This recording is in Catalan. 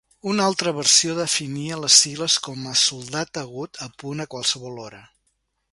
Una altra versió definia les sigles com a "soldat agut, a punt a qualsevol hora".